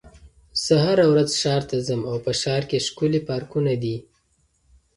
زه هره ورځ ښار ته ځم او په ښار کې ښکلي پارکونه دي.